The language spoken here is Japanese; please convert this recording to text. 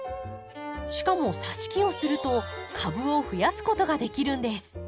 しかもさし木をすると株を増やすことができるんです。